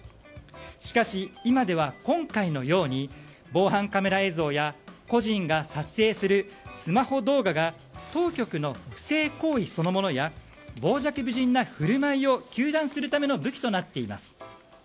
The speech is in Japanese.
しかし、今では今回のように防犯カメラ映像や個人が撮影するスマホ動画が当局の不正行為そのものや傍若無人な振る舞いを糾弾するための武器となっています。